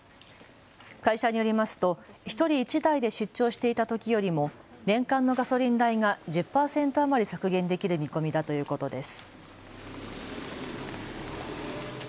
会社によりますと１人１台で出張していたときよりも年間のガソリン代が１０％余り削減できる見込みだということです。